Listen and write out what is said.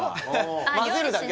混ぜるだけ？